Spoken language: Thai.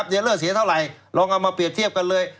เดี๋ยวเลอร์เสียเท่าไหร่ลองเอามาเปรียบเทียบกันเลย